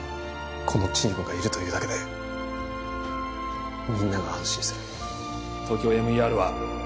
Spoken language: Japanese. このチームがいるというだけでみんなが安心するＴＯＫＹＯＭＥＲ は